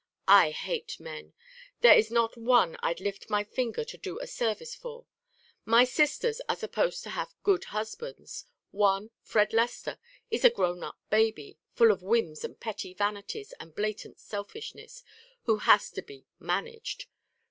"I hate men. There is not one I'd lift my finger to do a service for. My sisters are supposed to have good husbands. One Fred Lester is a grown up baby, full of whims and petty vanities and blatant selfishness, who has to be 'managed.'